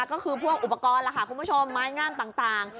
ก็คือพวกอุปกรณ์ล่ะค่ะคุณผู้ชมไม้งามต่าง